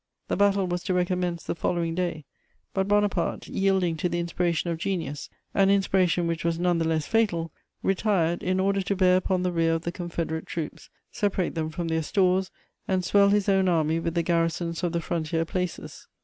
The battle was to recommence the following day, but Bonaparte, yielding to the inspiration of genius, an inspiration which was none the less fatal, retired in order to bear upon the rear of the confederate troops, separate them from their stores, and swell his own army with the garrisons of the frontier places.